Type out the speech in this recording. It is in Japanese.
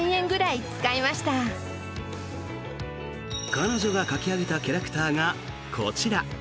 彼女が描き上げたキャラクターがこちら。